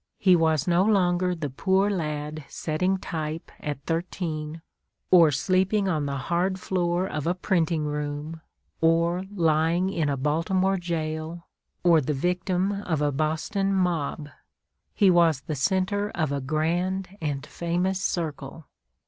He was no longer the poor lad setting type at thirteen, or sleeping on the hard floor of a printing room, or lying in a Baltimore jail, or the victim of a Boston mob. He was the centre of a grand and famous circle.